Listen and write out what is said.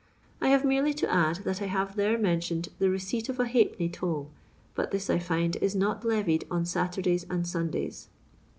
I have merely to add that 1 have there mentioned the receipt of a halfpenny toll ; but this, I find, is not leried on Saturdays and Sundays.